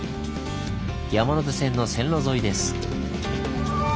山手線の線路沿いです。